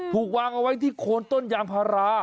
ถูกวางเอาไว้ที่โคนต้นยางพารา